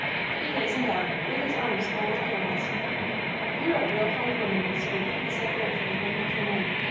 He hastened out, with his arms full of peelings. "You're a real kind woman, Niece Ruth," he said gratefully, when he came in.